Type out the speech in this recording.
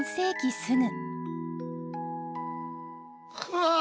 うわ！